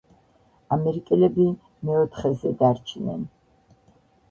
ამერიკელები მეოთხეზე დარჩნენ.